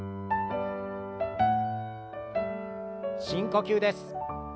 深呼吸です。